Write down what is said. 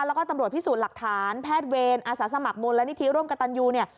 แล้วก็ตำรวจพิสูจน์หลักฐานแพทย์เวรอาสาสมัครมูลและนิธิร่วมกับตันยูเนี่ย